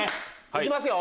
行きますよ。